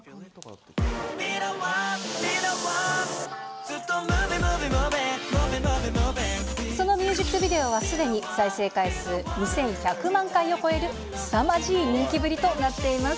このミュージックビデオはすでに再生回数２１００万回を超えるすさまじい人気ぶりとなっています。